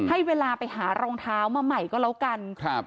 ให้เวลาไปหารองเท้ามาใหม่ก็แล้วกันครับ